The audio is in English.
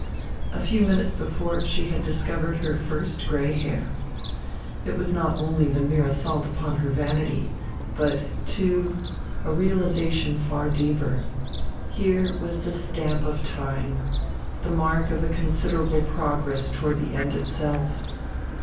A few minutes before she had discovered her first gray hair. It was not only the mere assault upon her vanity, but, too, a realization far deeper here was the stamp of time, the mark of a considerable progress toward the end itself.